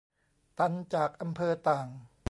ตันจากอำเภอต่าง